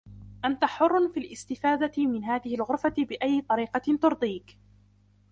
أنت حر في الاستفادة من هذه الغرفة بأي طريقة ترضيك.